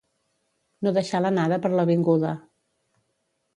No deixar l'anada per la vinguda.